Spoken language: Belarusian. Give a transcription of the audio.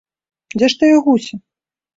Дзе ж тыя гусі?